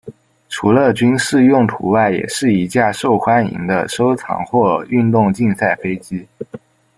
除了军事用途外也是一架受欢迎的收藏或运动竞赛飞机。